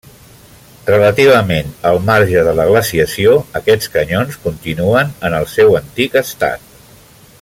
Relativament al marge de la glaciació, aquests canyons continuen en el seu antic estat.